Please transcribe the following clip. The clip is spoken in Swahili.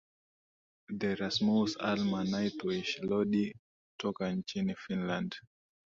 The Rasmus Alma Nightwish Lordi kutoka nchini Finland